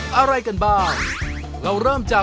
น้ำที่แช่เห็ดนี่หรือแม่ใช่ค่ะ